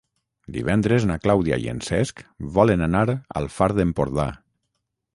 Divendres na Clàudia i en Cesc volen anar al Far d'Empordà.